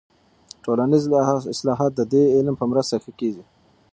ټولنیز اصلاحات د دې علم په مرسته ښه کیږي.